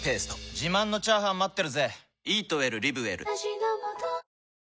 自慢のチャーハン待ってるぜ！